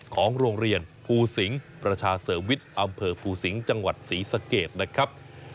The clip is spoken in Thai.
ของโรงเรียนภูสิงศ์ประชาเสริมวิทย์อำเภอภูสิงศ์จังหวัดศรีสะเกดนะครับ